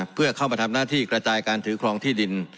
เพื่อเข้ามาทำหน้าที่กระจายการถือครองที่ดิน